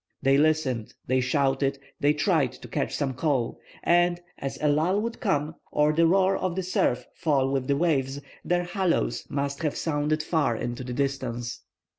They listened, they shouted, they tried to catch some call, and, as a lull would come, or the roar of the surf fall with the waves, their hallooes must have sounded far into the distance.